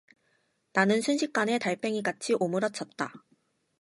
나는 순식간에 달팽이같이 오므러쳤다.